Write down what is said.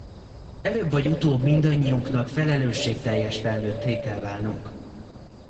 Előbb vagy utóbb mindannyiunknak felelősségteljes felnőtté kell válnunk.